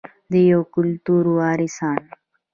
د یو کلتور وارثان.